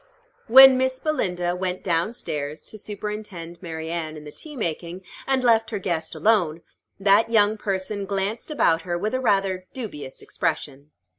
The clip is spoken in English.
When Miss Belinda went down stairs to superintend Mary Anne in the tea making, and left her guest alone, that young person glanced about her with a rather dubious expression.